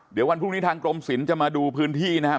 เดี๋ยววันพรุ่งนี้ทางกรมศิลป์จะมาดูพื้นที่นะครับ